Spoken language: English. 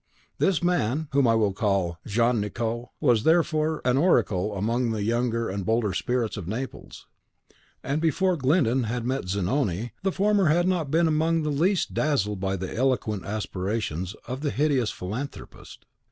This man, whom I will call Jean Nicot, was, therefore, an oracle among the younger and bolder spirits of Naples; and before Glyndon had met Zanoni, the former had not been among the least dazzled by the eloquent aspirations of the hideous philanthropist.